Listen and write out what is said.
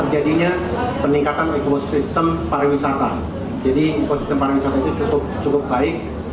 jadi ekosistem pariwisata itu cukup baik